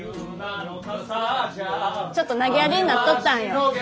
ちょっとなげやりになっとったんよ。